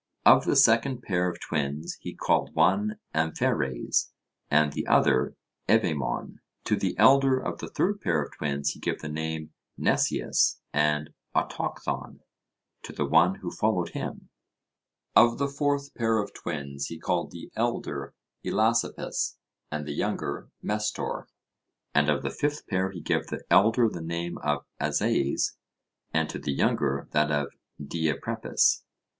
Of the second pair of twins he called one Ampheres, and the other Evaemon. To the elder of the third pair of twins he gave the name Mneseus, and Autochthon to the one who followed him. Of the fourth pair of twins he called the elder Elasippus, and the younger Mestor. And of the fifth pair he gave to the elder the name of Azaes, and to the younger that of Diaprepes.